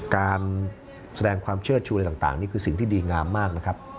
การแสดงความเชื่อชูอะไรต่างนี่คือสิ่งที่ดีงามมากนะครับ